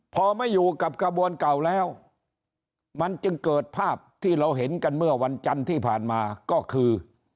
พอไม่อยู่กับกระบวนเก่าแล้วมันจึงเกิดภาพที่เราเห็นกันเมื่อวันจันทร์ที่ผ่านมาก็คือ